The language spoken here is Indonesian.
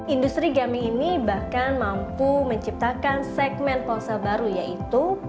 industri gaming ini bahkan mampu menciptakan segmen ponsel baru yaitu